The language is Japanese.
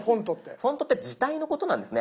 フォントって字体のことなんですね。